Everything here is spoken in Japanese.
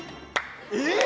えっ！